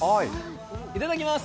いただきます。